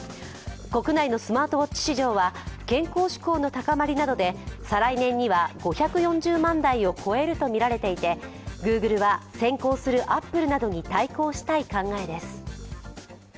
国内のスマートウォッチ市場は健康志向の高まりなどで再来年には５４０万台を超えるとみられていてグーグルは先行するアップルなどに対抗したい考えです。